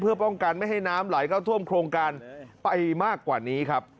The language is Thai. เพื่อป้องกันไม่ให้น้ำไหลเข้าท่วมโครงการไปมากกว่านี้ครับ